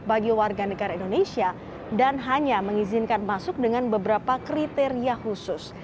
bagi warga negara indonesia dan hanya mengizinkan masuk dengan beberapa kriteria khusus